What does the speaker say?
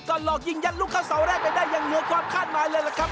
ก็หลอกยิงยัดลูกเข้าเสาแรกไปได้อย่างงัวความคาดหมายเลยล่ะครับ